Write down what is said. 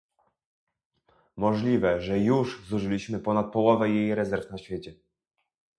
Możliwe, że już zużyliśmy ponad połowę jej rezerw na świecie